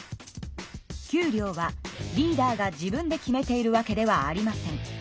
給料はリーダーが自分で決めているわけではありません。